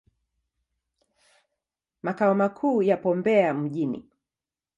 Makao makuu yapo Mbeya mjini.